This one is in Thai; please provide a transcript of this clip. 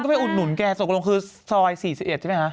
คนก็ไปอุ่นหนุนแกสกรมคือซอย๔๑ใช่มั้ยฮะ